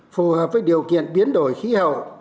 phù hợp với điều kiện biến đổi khí hậu